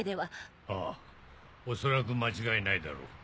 ああおそらく間違いないだろう。